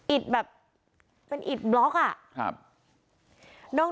อิดแบบเป็นอิดบล็อกอะ